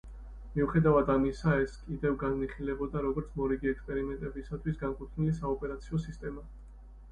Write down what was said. მიუხედავად ამისა, ეს ისევ განიხილებოდა როგორც მორიგი ექსპერიმენტებისათვის განკუთვნილი საოპერაციო სისტემა.